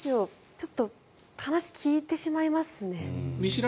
ちょっと話を聞いてしまいますね。